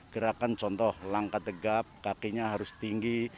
gerakan contoh langkah tegap kakinya harus tinggi